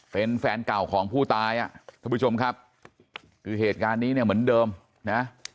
เป็นแฟนเก่าของผู้ตายอ่ะท่านผู้ชมครับคือเหตุการณ์นี้เนี่ยเหมือนเดิมนะ